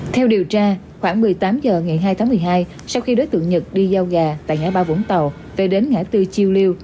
theo điều tra khoảng một mươi tám h ngày hai tháng một mươi hai sau khi đối tượng nhật đi giao gà tại ngã ba vũng tàu về đến ngã tư chiêu liêu